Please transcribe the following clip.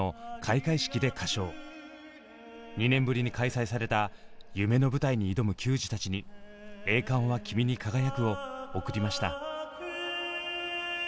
２年ぶりに開催された夢の舞台に挑む球児たちに「栄冠は君に輝く」を贈りました。